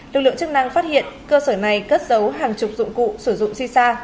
lực lượng chức năng phát hiện cơ sở này cất giấu hàng chục dụng cụ sử dụng sisa